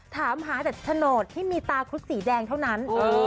ถามหาแต่โฉนดที่มีตาครุฑสีแดงเท่านั้น